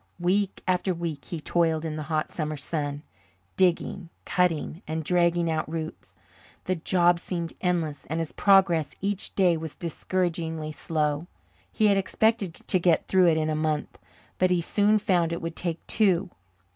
Week after week he toiled in the hot summer sun, digging, cutting, and dragging out roots. The job seemed endless, and his progress each day was discouragingly slow. He had expected to get through in a month, but he soon found it would take two.